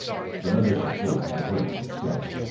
This malicious joke had a great success.